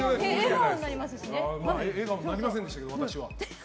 笑顔になりませんでしたけど私は。